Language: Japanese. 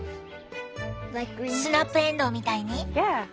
スナップエンドウみたいに？